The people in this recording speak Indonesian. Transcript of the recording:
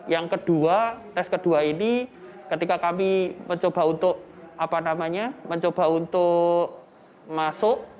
yang kedua tes kedua ini ketika kami mencoba untuk mencoba untuk masuk